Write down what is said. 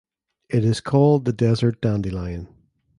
It is called the desert dandelion.